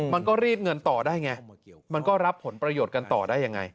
มันก็รีดเงินต่อได้ไงมันก็รับผลประโยชน์กันต่อได้ยังไง